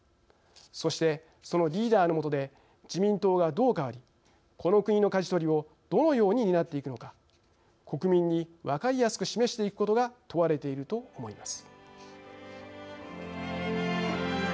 そして、そのリーダーのもとで自民党がどう変わりこの国のかじ取りをどのように担っていくのか国民に分かりやすく示していくことが問われていると思います。